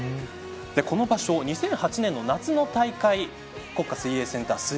この場所、２００８年の夏の大会国家水泳センター